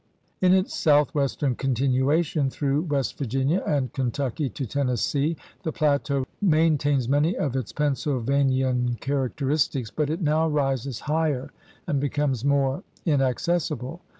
In its southwestern continuation through West Virginia and Kentucky to Tennessee the plateau maintains many of its Pennsylvanian characteris tics, but it now rises higher and becomes more in accessible.